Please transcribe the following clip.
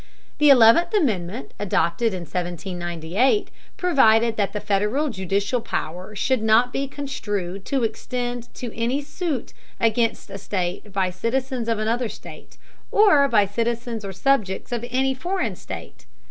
The Eleventh Amendment, adopted in 1798, provided that the Federal judicial power should not be construed to extend to any suit against a state by citizens of another state, or by citizens or subjects of any foreign state.